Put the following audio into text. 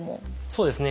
そうですね。